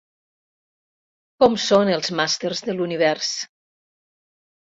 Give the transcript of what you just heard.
Com són els màsters de l'univers!